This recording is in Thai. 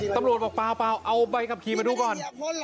ตำรวจบอกเปล่าเอาใบขับขี่มาดูก่อน